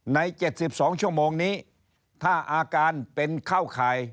ใน๗๒ชั่วโมงนี้ถ้าอาการเป็นเข้าข่าย